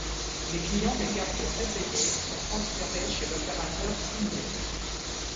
Les clients des cartes prépayées sont transférés chez l'opérateur Simyo.